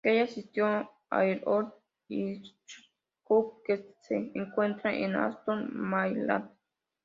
Kelly asistió a la Easton High School, que se encuentra en Easton, Maryland.